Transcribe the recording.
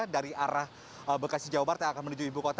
dari arah bekasi jawa barat yang akan menuju ibu kota